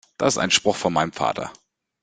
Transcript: Das ist ein Spruch von meinem Vater.